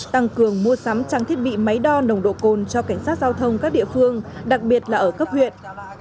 tăng cường mua sắm trang thiết bị máy đo nồng độ cồn cho cảnh sát giao thông các địa phương đặc biệt là ở cấp huyện